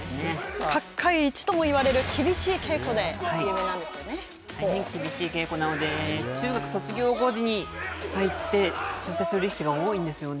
角界一とも呼ばれる厳しい稽古で厳しい稽古なので中学卒業後に入って出世する力士が多いですよね。